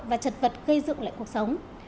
và trật vật gây dựng lại cuộc sống